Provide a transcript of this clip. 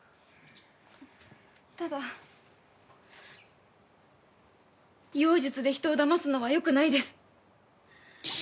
ただ妖術で人をだますのはよくないです。